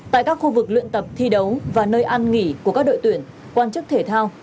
tại các khu vực luyện tập thi đấu và nơi an nghỉ của các đội tuyển quan chức thể thao